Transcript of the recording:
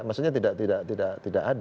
maksudnya tidak ada